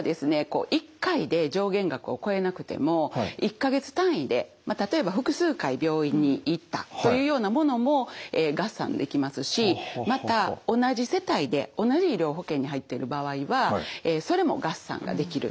こう１回で上限額を超えなくても１か月単位で例えば複数回病院に行ったというようなものも合算できますしまた同じ世帯で同じ医療保険に入ってる場合はそれも合算ができる。